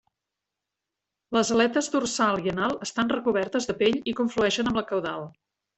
Les aletes dorsal i anal estan recobertes de pell i conflueixen amb la caudal.